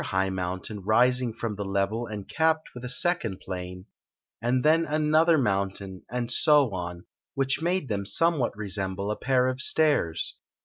high mountain, rising from the level and capped with a second plain ; and then another moun tain, and so on ; which made them somewhat resem ble a pair of stairs.